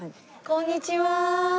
こんにちは。